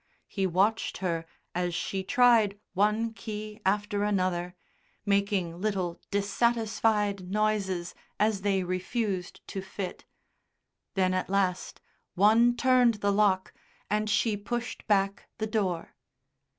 He watched her as she tried one key after another, making little dissatisfied noises as they refused to fit; then at last one turned the lock and she pushed back the door.